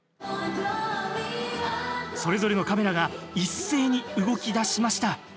それぞれのカメラが一斉に動きだしました。